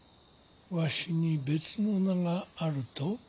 わしに別の名があると？